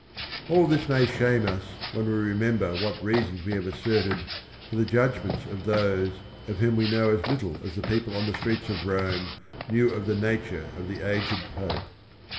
All this may shame us when we remember what reasons we have asserted for the judgments of those of whom we know as little as the people on the streets of Rome knew of the nature of the aged Pope.